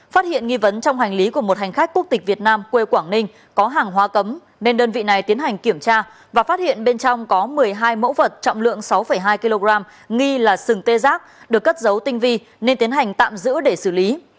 phát hiện nghi vấn trong hành lý của một hành khách quốc tịch việt nam quê quảng ninh có hàng hóa cấm nên đơn vị này tiến hành kiểm tra và phát hiện bên trong có một mươi hai mẫu vật trọng lượng sáu hai kg nghi là sừng tê giác được cất dấu tinh vi nên tiến hành tạm giữ để xử lý